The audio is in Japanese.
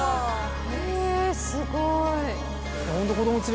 へぇすごい。